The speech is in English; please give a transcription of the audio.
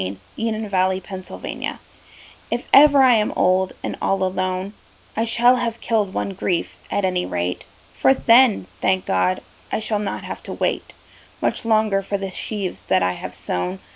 On the Night of a Friend's Wedding If ever I am old, and all alone, I shall have killed one grief, at any rate; For then, thank God, I shall not have to wait Much longer for the sheaves that I have sown.